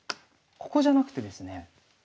ここじゃなくてですね